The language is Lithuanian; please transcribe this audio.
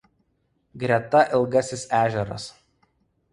Greta Ilgasis ežeras.